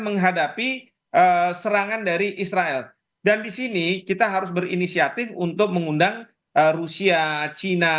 menghadapi serangan dari israel dan disini kita harus berinisiatif untuk mengundang rusia china